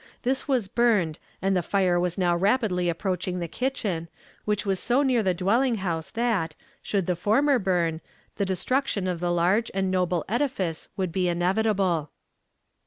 This was burned, and the fire was now rapidly approaching the kitchen, which was so near the dwelling house that, should the former burn, the destruction of the large and noble edifice would be inevitable.